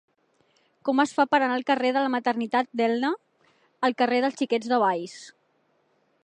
Com es fa per anar del carrer de la Maternitat d'Elna al carrer dels Xiquets de Valls?